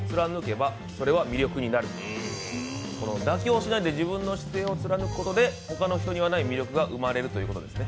妥協しないで自分の姿勢を貫くことで、他の人にはない魅力が生まれるということですね。